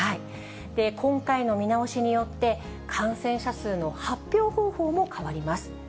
今回の見直しによって、感染者数の発表方法も変わります。